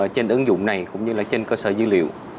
trên ứng dụng này cũng như là trên cơ sở dữ liệu